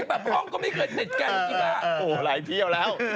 นั่นก็เกินเหตุแล้ว